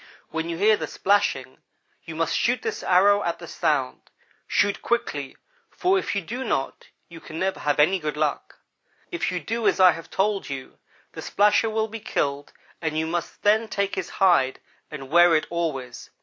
When you hear the splashing, you must shoot this arrow at the sound. Shoot quickly, for if you do not you can never have any good luck. If you do as I have told you the splasher will be killed and you must then take his hide and wear it always.